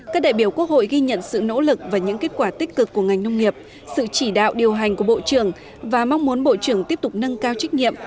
các đại biểu quốc hội ghi nhận sự nỗ lực và những kết quả tích cực của ngành nông nghiệp sự chỉ đạo điều hành của bộ trưởng và mong muốn bộ trưởng tiếp tục nâng cao trách nhiệm